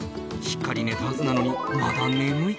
しっかり寝たはずなのにまだ眠い。